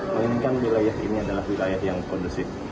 menginginkan wilayah ini adalah wilayah yang kondusif